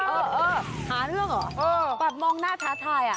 เออหาเรื่องเหรอแบบมองหน้าทัศน์ถ่าย